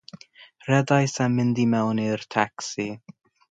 Rhedais a mynd i mewn i'r tacsi.